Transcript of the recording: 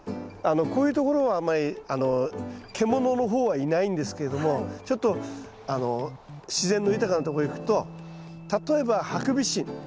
こういうところはあんまり獣の方はいないんですけどもちょっと自然の豊かなとこ行くと例えばハクビシン。